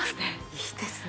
いいですね。